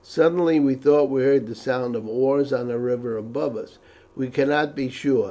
Suddenly we thought we heard the sound of oars on the river above us. We could not be sure.